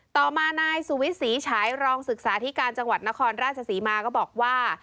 ต่อมานายสุวิทย์ศรีฉายรองศึกษาธิการจังหวัดนครราชศรีมาก็บอกว่า